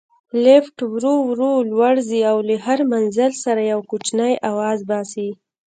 لفټ ورو ورو لوړ ځي او له هر منزل سره یو کوچنی اواز باسي.